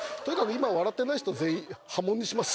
今笑ってない人全員破門にします